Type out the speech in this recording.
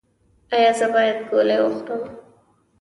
ایا زه باید ګولۍ وخورم؟